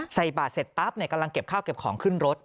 ใส่บาทเสร็จปั๊บกำลังเก็บข้าวเก็บของขึ้นรถ